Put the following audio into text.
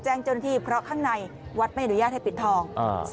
แจ้งเจ้าหน้าที่เพราะข้างในวัดไม่อนุญาตให้ปิดทอง